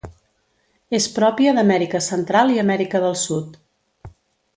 És pròpia d'Amèrica Central i Amèrica del Sud.